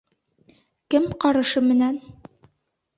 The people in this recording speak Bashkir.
— Кем ҡарышы менән?..